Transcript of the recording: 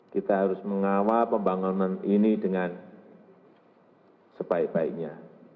kita harus mengawal pembangunan ini dengan sebaik baiknya